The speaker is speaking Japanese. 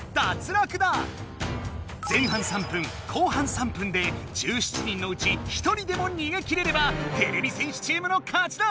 前半３分後半３分で１７人のうち１人でもにげきれればてれび戦士チームの勝ちだ。